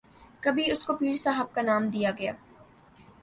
کبھی اسکو پیر صاحب کا نام دیا گیا